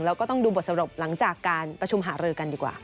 แล้วก็ต้องดูบทสรุปหลังจากการประชุมหารือกันดีกว่า